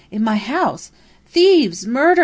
In my house! _Thieves! Murder!